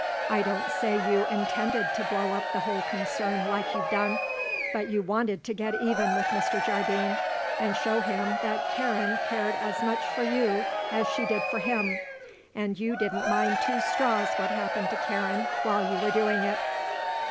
I don't say you intended to blow up the whole concern like you've done; but you wanted to get even with Mr. Jardine and show him that Karen cared as much for you as she did for him, and you didn't mind two straws what happened to Karen while you were doing it."